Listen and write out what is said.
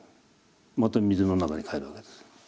また水の中に帰るわけです。